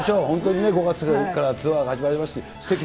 本当にね、５月からツアーが始まります。